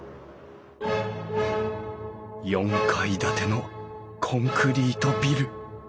４階建てのコンクリートビル！